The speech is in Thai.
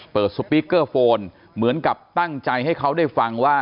สปีกเกอร์โฟนเหมือนกับตั้งใจให้เขาได้ฟังว่า